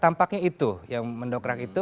tampaknya itu yang mendongkrak itu